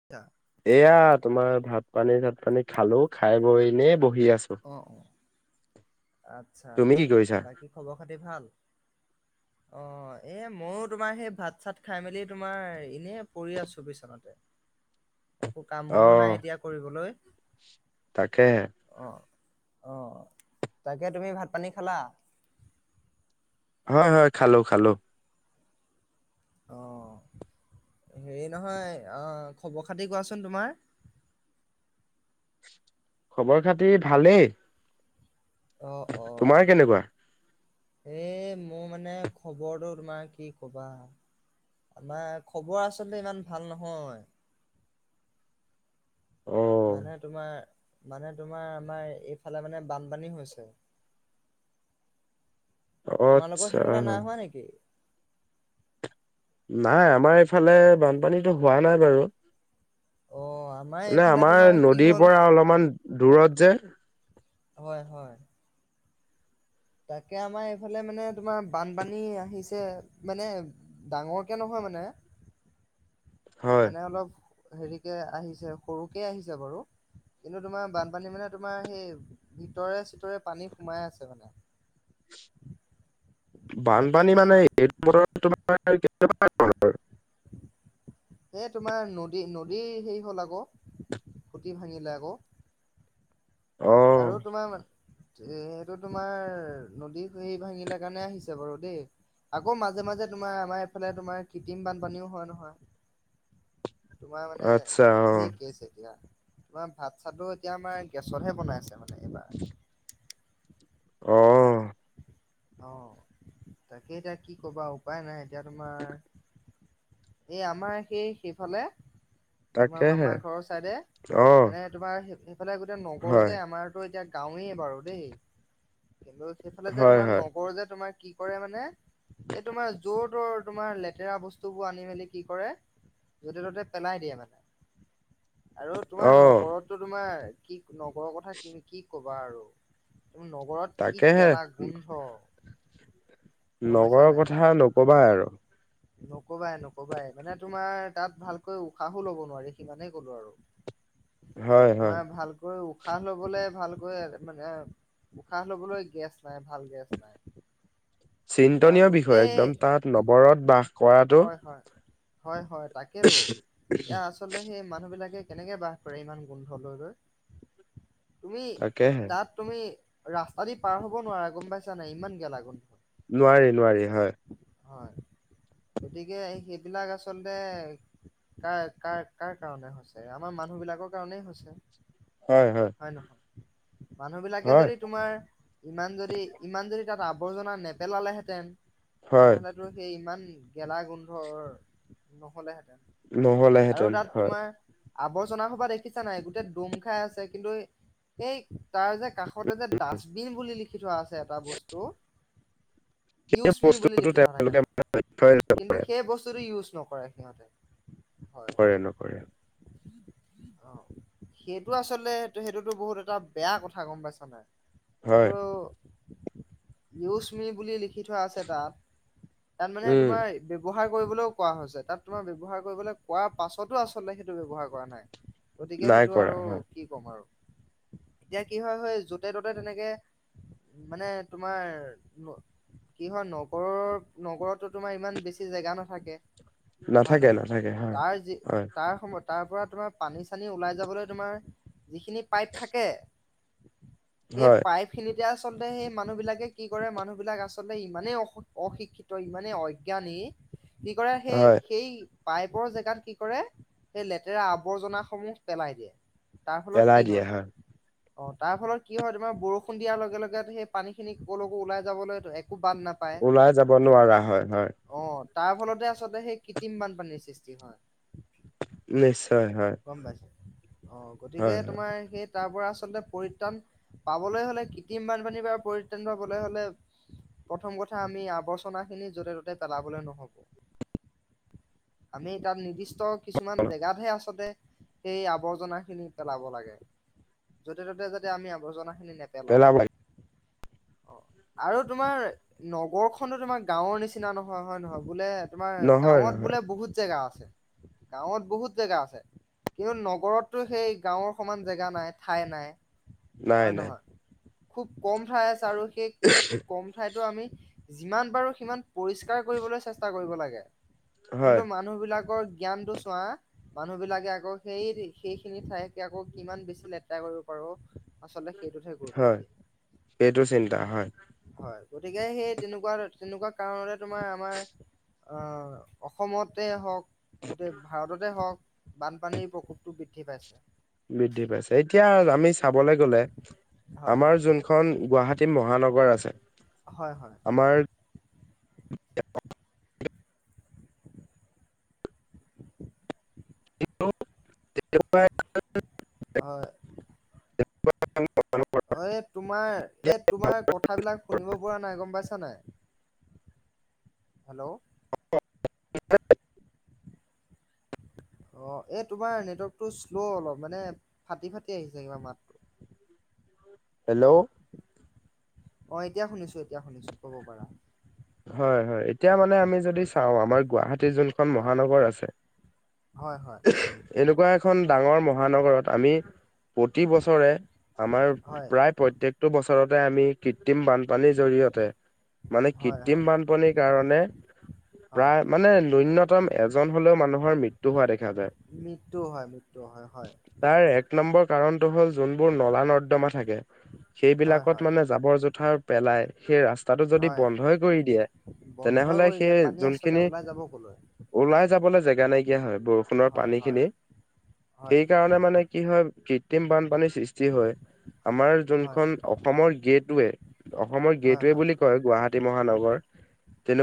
[unintelligible] এয়া তোমাৰ ভাত পানী চাত পানী খালো খাই বৈ এনেই বহি আছো। অ অ আচ্ছা তুমি কি আচ্ছা। কৰিছা? বাকী খবৰ খাতি ভাল? [unintelligible] অ এ ময়ো তোমাৰ সেই ভাত চাত খাই মেলি তোমাৰ এনেই পৰি আছো বিচনাতে। একো কাম বনো নাই এতিয়া কৰিবলৈ তাকে অ অ তাকে তুমি ভাত পানী খালা? হয় হয় খালো খালো। অ হেৰি নহয় খবৰ খাতি কোৱাচোন তোমাৰ খবৰ খাতি ভালেই অঁ তোমাৰ কেনেকুৱা? অঁ এ মোৰ মানে খবৰটো তোমাৰ কি কবা আমাৰ খবৰ আচলতে ইমান ভাল নহয়। অ' মানে তোমাৰ মানে তোমাৰ আমাৰ এইফালে মানে বানপানী হৈছে। তোমালোকৰ আচ্ছা সেইফালে নাই হোৱা নেকি? নাই আমাৰ এইফালে বানপানীতো হোৱা নাই বাৰু। অ আম মানে আমাৰ নদীৰ পৰা অলপমান দূৰত যে। হয় হয়। তাকে আমাৰ এইফালে মানে তোমাৰ বানপানী আহিছে মানে ডাঙৰকে নহয় মানে, হয় মানে অলপ হেৰিকে আহিছে সৰুকে আহিছে বাৰু। কিন্তু তোমাৰ বানপানী মানে তোমাৰ সেই ভিতৰে- চিতৰে পানী সোমাই আছে মানে। তাকে বানপানী সেই মানে এইটো বতৰত তোমাৰ কেতিয়াবা এই তোমাৰ নদী নদী হেৰি হ'ল আকৌ খুটি ভাঙিলে আকৌ। অ আৰু তোমাৰ এ সেইটো তোমাৰ নদী সেৰি ভাঙিলা কাৰণে আহিছে বাৰু দেই। আকৌ মাজে মাজে তোমাৰ আমাৰ এইফালে তোমাৰ কৃত্ৰিম বানপানীও হয় নহয়। তোমাৰ মানে আচ্ছা অ' ঢেৰ কছে এতিয়া তোমাৰ ভাত চাত এতিয়া আমাৰ গেছতহে বনাই আছে মানে। এইবাৰ অ অ তাকে এতিয়া কি ক'বা উপায় নাই এতিয়া তোমাৰ এই আমাৰ সেই সেইফালে তোমাৰ তাকেহে মামাৰ ঘৰৰ ছাইডে অ' মানে তোমাৰ সেইফালে গোটেই নগৰ হয় যে আমাৰতো এতিয়া গাঁৱেই বাৰু দেই কিন্তু সেইফালে যে হয় তোমাৰ হয় নগৰ যে তোমাৰ কি কৰে মানে এই তোমাৰ যৰ- তৰ তোমাৰ লেতেৰা বস্তুবোৰ আনি মেলি কি কৰে য'তে ত'তে পেলাই দিয়ে মানে আৰু তোমাৰ অ' নগৰত তোমাৰ কি নগৰৰ কথা কি কি ক'বা আৰু তুমি নগৰত তাকে হে। অ। নগৰৰ কথা নকবা আৰু। নকবাই নকবাই মানে তোমাৰ তাত ভালকৈ উশাহো ল'ব নোৱাৰি সিমানে গলো আৰু। হয় হয় তোমাৰ ভাল উশাহ ল'বলৈ ভালকৈ মানে উশাহ ল'বলৈ গেছ নাই ভাল গেছ নাই। তোমাৰ চিন্তনীয় বিষয় গোটেই একদম তাত নৱৰত বাস কৰাটো হয় হয় হয় হয় তাকেইতো এয়া আ আচলতে সেই মানুহ বিলাকে কেনেকে বাস কৰে ইমান গোন্ধ লৈ লৈ? তুমি তাকেহে তাত তুমি ৰাস্তা দি পাৰ হ'ব নোৱাৰা গম পাইছা নাই ইমান গেলা গন্ধ। নোৱাৰি নোৱাৰি হয়। হয়। গতিকে সেইবিলাক আচলতে কাৰ কাৰ কাৰ কাৰণে হৈছে আমাৰ মানুহবিলাকৰ কাৰণেই হৈছে। হয় হয়। হয় নহয় মানুহ বিলাকে হয় যদি তোমাৰ ইমান যদি ইমান যদি তাত আৱৰ্জনা নেপেলালেহেঁতেন তেনে হয় কিন্তু সেই ইমান গেলা গোন্ধৰ নহ'লেহেঁতেন। আৰু নহ'লেহেঁতেন তাত হয় তোমাৰ আৱৰ্জনা সোপা দেখিছা নাই গোটেই দম খাই আছে কিন্তু এই তাৰ যে কাষতে যে ডাষ্টবিন বুলি লিখি থোৱা আছে এটা বস্তু সেই ইউজ মি বুলি বস্তুটো লিখি থোৱা থাকে তেওঁলোকে তাত লক্ষ্যই কিন্তু নকৰে সেই বস্তুটো ইউজ নকৰে সিহঁতে হয় কৰে হয়। নকৰে উ। অ' সেইটো আচলতে সেইটোতো বহুত এটা বেয়া কথা গ'ম পাইছ নাই। সেইটো হয় ইউজ মি বুলি লিখি থোৱা আছে তাত। তাত মানে উম তোমাৰ ব্যৱহাৰ কৰিবলৈও কোৱা হৈছে, তাত তোমাৰ ব্যৱহাৰ কৰিবলৈ কোৱা পাছতো আচলতে সেইটো ব ব্যয়ৱহাৰ কৰা নাই। গতিকে নাই সেইটো কৰা আৰু হয় কি? ক'ম আৰু, এতিয়া কি হয় হয় য'তে ত'তে তেনেকে মানে তোমাৰ কি হয় নগৰৰ নগৰত তো তোমাৰ ইমান বেছি জেগা নাথাকে হয় নাথাকে নাথাকে হয় নহয়। হয় তাৰ সময় তাৰ পৰা তোমাৰ পানী -চানী ওলাই যাবলৈ তোমাৰ যিখিনি পাইপ থাকে এই হয় পাইপ খিনিতে আচলতে সেই মানুহ বিলাকে কি কৰে, মানুহ বিলাক আচলতে ইমানেই অ অশিক্ষিত ইমানেই অজ্ঞানী কি কৰে সেই হয় সেই পাইপৰ জেগাত কি কৰে সেই লেতেৰা আৱৰ্জনাস সমূহ পেলাই দিয়ে। তাৰ ফলত পেলাই কি দিয়ে হয় অ' তাৰ ফলত কি হয় তোমাৰ বৰষুণ দিয়াৰ লগে লগে সেই পানী খিনি কলৈকো ওলাই যাবলৈ একো বাট নাপায়। ওলাই যাব নোৱাৰা হয় হয় অ' তাৰ ফলতে আচলতে সেই কৃত্ৰিম বানপানীৰ সৃষ্টি হয়। নিশ্চয় হয়। গ'ম পাইছা অ হয় গতিকে হয় তোমাৰ সেই তাৰ পৰা আচলতে পৰিত্ৰাণ পাবলৈ হ'লে কৃত্ৰিম বানপানীৰ পৰা পৰিত্ৰাণ পাবলৈ হ'লে প্ৰথম কথা আমি আৱৰ্জনাখিনি য'তে ত'তে পেলাবলৈ নহ'ব আমি তাত নিৰ্দিষ্ট কিছুমান জেগাতহে আচলতে সেই আৱৰ্জনা খিনি পেলাব লাগে য'তে ত'তে যাতে আমি আৱৰ্জনা খিনি নে পেলাব লাগে নেপেলাওঁ। অ' আৰু তোমাৰ নগৰখনো তোমাৰ গাঁৱৰ নিচিনা নহয় হয় নহয় বোলে তোমাৰ নহয় গাঁৱত নহয় বোলে বহুত জেগা আছে গাঁৱত বহুত জেগা আছে। কিন্তু নগৰততো সেই গাঁৱৰ সমান জেগা নাই ঠাই নাই নাই হয় নাই নহয়। খুব ক'ম ঠাই আছে আৰু সেই খুব ক'ম ঠাইটো আমি যিমান পাৰো সিমান পৰিষ্কাৰ কৰিবলৈ চেষ্টা কৰিব লাগে হয় কিন্তু মা মানুহ বিলাকৰ জ্ঞানটো চোৱা, মানুহ বিলাকে আকৌ সেই সেইখিনি ঠাইকে আকৌ কিমান বেছি লেতেৰা কৰিব পাৰো আচলতে সেইটোতহে গুৰুত্ব হয় দিয়ে সেইটো চিন্তা হয়। হয় গতিকে সেই তেনেকুৱা তেনেকুৱা কাৰণতে তোমাৰ আমাৰ অ অসমতে হওঁক গোটেই ভাৰততে হওঁক পানীৰ প্ৰকোপটো বৃদ্ধি পাইছে। বৃদ্ধি পাইছে এতিয়া আমি চাবলৈ গ'লে, হয় আমাৰ হয় যোনখন গুৱাহাটী মহানগৰ আছে হয় হয়। আমাৰ কিন্তু কেতিয়াবা হয়। অ এই তোমাৰ এই তোমাৰ কথাবিলাক শুনিব পৰা নাই গ'ম পাইছা নাই হেল্ল' [unintelligible] অ' এই তোমাৰ নেটৱৰ্কটো শ্ল' অলপ মানে ফাটি ফাটি আহিছে কিবা মাত। হেল্ল' অ'এতিয়া শুনিছো এতিয়া শুনিছো ক'ব পাৰা। হয় হয় এতিয়া মানে আমি যদি চাওঁ, আমাৰ গুৱাহাটীৰ যোন খন হয় মহানগৰ আছে হয় হয় এনেকুৱা এখন ডাঙৰ মহানগৰত আমি প্ৰতি বছৰে আমাৰ হয় প্ৰায় প্ৰত্যেকটো বছৰতে আমি কৃত্ৰিম বানপানীৰ জৰিয়তে মানে হয় কৃত্ৰিম হয় বানপনীৰ কাৰণে হয় প্ৰায় মানে নুন্যতম এজন হ'লেও মানুহৰ মৃত্যু হোৱা দেখা যায়। মৃত্যু হয়, মৃত্যু হয় হয় তাৰ এক নম্বৰ কাৰণটো হ'ল যোনবোৰ নলা নৰ্দমা থাকে। হয় সেইবিলাকত হয় মানে জাবৰ জোথাৰ পেলাই সেই ৰাস্তাটো যদি হয় বন্ধই কৰি দিয়ে বন্ধই তেনেহ'লে কৰি সেই দিয়ে পানী আচলতে যোনখিনি ওলাই যাব কলৈ ওলাই যাবলৈ জেগা নাইকিয়া হয়, বৰষুণৰ হয় পানী হয় খিনি। হয় সেই হয় কাৰণে মানে কি হয় কৃত্ৰিম বানপানীৰ সৃষ্টি হয় আমাৰ হয় জোনখন অ অসমৰ গেটৱে, অসমৰ হয় গেটৱে হয় বুলি কয় গুৱাহাটী মহানগৰ।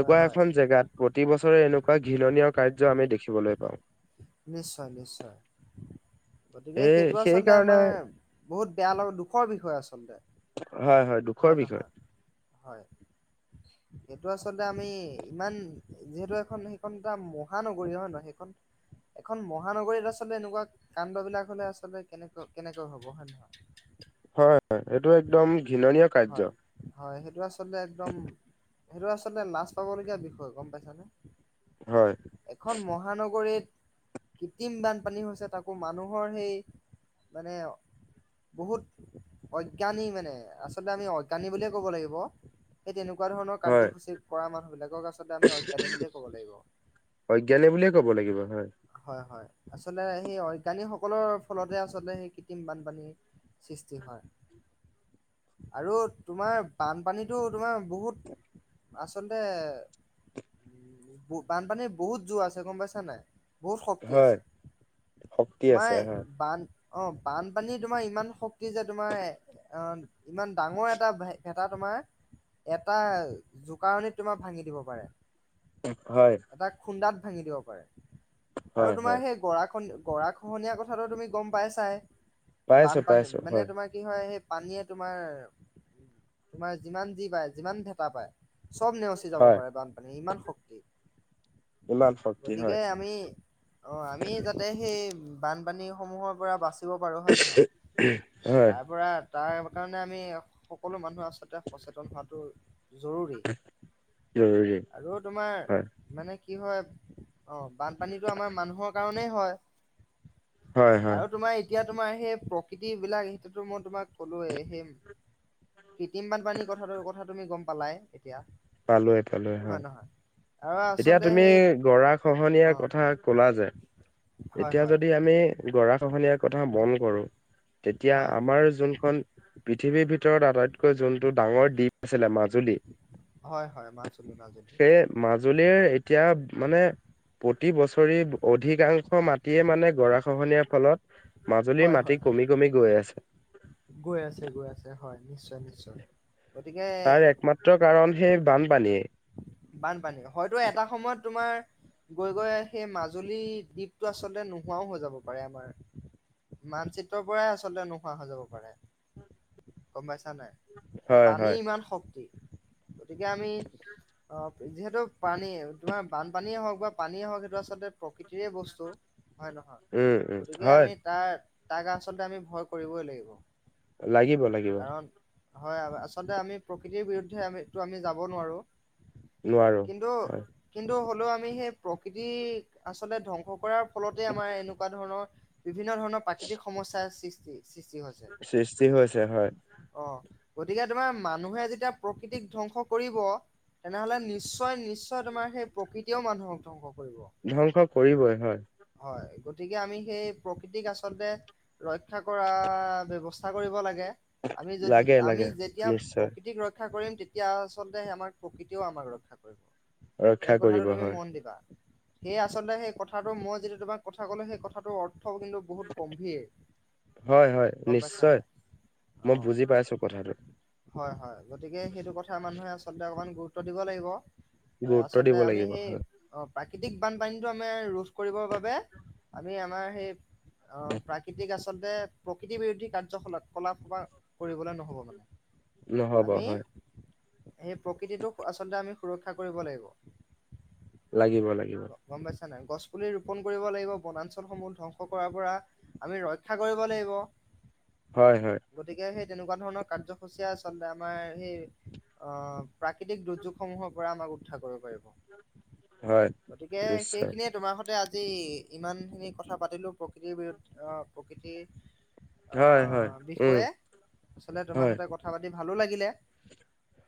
হয় হয় এখন জেগাত প্ৰতি বছৰে এনেকুৱা ঘৃণনীয় কাৰ্য আমি দেখিবলৈ পাওঁ। নিশ্চয় নিশ্চয়। গতিকে এই সেইটো সেই আচলতে কাৰণে আমাৰ বহুত বেয়া লগা দুখৰ বিষয় আচলতে। হয় হয়। দুখৰ হয় বিষয় নহয় হয়। সেইটো আচলতে আমি ইমান যিহেতু এখন সেইখন এটা মহানগৰী হয় নহয়? সেইখন- এখন মহানগৰীত আচলতে এনেকুৱা কাণ্ড বিলাক হলে আচলতে কেনেকৈ কেনেকৈ হব হয় নহয়? হয় হয় এইটো একদম ঘৃণনীয়- কাৰ্য হয়। হয় সেইটো আচলতে একদম সেইটো আচলতে লাজ পাবলগীয়া বিষয়, গম পাইছানে? হয়। এখন মহানগৰীত- কৃত্ৰিম বানপানী হৈছে তাকো মানুহৰ সেই মানে- বহুত অজ্ঞানী মানে আচলতে আমি অজ্ঞানী বুলিয়েই ক'ব লাগিব। সেই তেনেকুৱা ধৰণৰ হয় কাৰ্যসূচী কৰা মানুহবিলাকক আচলতে আমি অজ্ঞানী বুলিয়ে ক'ব লাগিব। অজ্ঞানী বুলিয়েই ক'ব লাগিব, হয়। হয় হয়, আচলতে সেই অজ্ঞানীসকলৰ ফলতে আচলতে সেই কৃত্ৰিম বানপানী- সৃষ্টি হয়। আৰু তোমাৰ বানপানীটো তোমাৰ বহুত আচলতে- বানপানীৰ বহুত জোৰ আছে, গম পাইছা নাই? বহুত শক্তি হয়। আছে। শক্তি তোমাৰ আছে হয় বান- অ বানপানী তোমাৰ ইমান শক্তি যে তোমাৰ অ- ইমান ডাঙৰ এটা ভে ভেটা তোমাৰ- এটা জোকাৰণিত তোমাৰ ভাঙি দিব পাৰে। হয়। এটা খুন্দাত ভাঙি দিব পাৰে। আৰু হয় তোমাৰ হয় সেই গৰা গৰাক- খোহনীয়া কথাটো তুমি গম পাইছাই। পাইছো বানপানী পাইছো মানে হয় তোমাক- কি হয় সেই পানীয়ে তোমাৰ তোমাৰ যিমান যি পায় যিমান ভেতা পায়- সব নেওচি যাব হয় পাৰে বানপানীয়ে, ইমান শক্তি। ইমান শক্তি গতিকে হয় আমি- অ আমি যাতে সেই বানপানী সমূহৰ পৰা বাছি- থাকিব পাৰোঁ হয় নে নহয়? হয় তাৰ পৰা তাৰ- সেইকাৰণে আমি সকলো মানুহে আচলতে সচেতন হোৱাতো- জৰুৰী। জৰুৰী আৰু তোমাৰ হয় মানে- কি হয়? অঁ বানপানীটো আমাৰ মানুহৰ কাৰণেই হয়। হয় হয় আৰু তোমাৰ এতিয়া তোমাৰ সেই প্ৰকৃতি বিলাক সেইটোতো মই তোমাক ক'লোয়ে। সেই কৃত্ৰিম বানপানীৰ কথাটো কথা তুমি গম পালাই এতিয়া? পালোৱে পালোৱে হয়। আৰু এতিয়া আচলতে তুমি সেই অ গৰাখহনীয়াৰ কথা কলা যে, হয় এতিয়া হয় যদি আমি গৰাখহনীয়াৰ কথা মন কৰো- তেতিয়া হয় আমাৰ যোনখন- পৃথিৱীৰ ভিতৰত আটাইতকৈ যোনটো ডাঙৰ দ্বীপ আছিলে মাজুলী। হয় হয় মাজুলী মাজুলী। সেই মাজুলীৰ এতিয়া মানে- প্ৰতি বছৰে অধিকাংশ মাটিয়ে মানে গৰা খহনীয়াৰ ফলত, মাজুলীৰ হয় হয় মাটি কমি কমি গৈ আছে। গৈ আছে গৈ আছে হয়। নিশ্চয় নিশ্চয় গতিকে তাৰ একমাত্ৰ কাৰণ সেই বানপানীয়ে। বানপানী, হয়তো এটা সময়ত তোমাৰ, গৈ গৈ সেই মাজুলীৰ দ্বীপটো আচলতে নোহোৱাও হৈ যাব পাৰে আমাৰ। মানচিত্ৰৰ পৰাই আচলতে নোহোৱা হৈ যাব পাৰে। গম পাইছা নাই। হয় পানীৰ হয় ইমান শক্তি। গতিকে আমি, যিহেতু, পানী তোমাৰ বানপানীয়ে হওক বা পানীয়ে হওক সেইটো আচলতে প্ৰকৃতিৰেই বস্তু। হয় উম উম নহয়। গতিকে হয় আমি তাৰ তাক আচলতে আমি ভয় কৰিবই লাগিব। লাগিব লাগিব। কাৰণ হয়, আচলতে আমি প্ৰকৃতিৰ বিৰুদ্ধে আমিটো আমি যাব নোৱাৰো। নোৱাৰো কিন্তু, হয় কিন্তু হ'লেও আমি সেই প্ৰকৃতি আচলতে ধ্বংস কৰাৰ, ফলতে আমাৰ এনেকুৱা ধৰণৰ বিভিন্ন ধৰণৰ প্ৰাকৃতিক সমস্যাৰ সৃষ্টি, সৃষ্টি হৈছে। সৃষ্টি হৈছে হয়। অ, গতিকে তোমাৰ মানুহে যেতিয়া প্ৰকৃতিক ধ্বংস কৰিব। তেনেহলে, নিশ্চয় নিশ্চয় তোমাৰ সেই প্ৰকৃতিয়ও মানুহক ধ্বংস কৰিব। ধ্বংস কৰিবই, হয়। হয়, গতিকে আমি সেই প্ৰকৃতিক আচলতে, ৰক্ষা কৰাৰ ব্যৱস্থা কৰিব লাগে। আমি যদি, লাগে আমি লাগে যেতিয়া নিশ্চয় প্ৰকৃতিক ৰক্ষা কৰিম তেতিয়া আচলতে আমাৰ, প্ৰকৃতিও আমাক ৰক্ষা কৰিব, ৰক্ষা এই কথাটো কৰিব তুমি হয় মন দিবা। সেই আচলতে সেই কথাটো মই যেতিয়া তোমাক কথা ক'লো, সেই কথাটো অৰ্থ কিন্তু, বহুত গম্ভীৰ। হয় হয় গম পাইছা নিশ্চয় নাই। মই অ', বুজি পাইছো কথাটো। হয় হয়, গতিকে সেইটো কথা মানুহে আচলতে অকমান গুৰুত্ব দিব লাগিব। অ গুৰুত্ব দিব আচলতে আমি লাগিব সেই, হয় অঁ, প্ৰাকৃতিক বানপানীটো আমি ৰোধ কৰিবৰ বাবে আমি আমাৰ সেই, অ প্ৰাকৃতিক আচলতে প্ৰকৃতি বিৰোধী কাৰ্যকলত কলা, [unintelligible] সেই কৰিবলে নহ'ব মানে। নহ'ব আমি হয়। সেই প্ৰকৃতিটোক, আচলতে আমি সুৰক্ষা কৰিব লাগিব। লাগিব লাগিব। গম পাইছা নাই, গছ পুলি ৰোপন কৰিব লাগিব। বনাঞ্চলসমূহ ধ্বংস কৰাৰ পৰা, আমি ৰক্ষা কৰিব লাগিব। হয় হয়। গতিকে সেই তেনেকুৱা ধৰণৰ কাৰ্যসূচীয়ে আচলতে আমাৰ সেই, অহ প্ৰাক প্ৰাকৃতিক দুৰ্যোগ সমূহৰ পৰা আমাক উধাৰ কৰিব পাৰিব। হয় গতিকে নিশ্চয় সেইখিয়ে তোমাৰ, তে আজি ইমান খিনি কথা পাতিলো প্ৰকৃতিৰ বিৰুদ্ধে, অহ প্ৰকৃতিৰ অ হয় হয় উম বিষয়ে, আচলতে তোমাৰ হয় সৈতে কথা পাতি ভালো লাগিলে।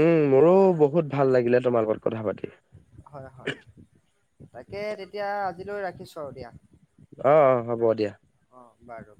উম মোৰো অ বহুত ভাল লাগিলে তোমাৰ লগত কথা পাতি। হয় হয়, তাকে তেতিয়া আজিলৈ ৰাখিছোঁ আৰু দিয়া। অ অ, হ'ব দিয়া। অঁ বাৰু।